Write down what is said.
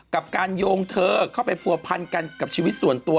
กับการโยงเธอเข้าไปผัวพันกันกับชีวิตส่วนตัว